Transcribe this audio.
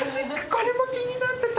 これも気になってた。